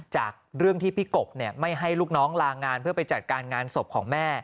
จากเรื่องที่พี่กบไม่ให้ลูกน้องลางานเพื่อไปจัดการงานศพของแม่